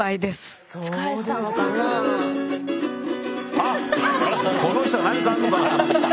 あっこの人は何かあるのかな。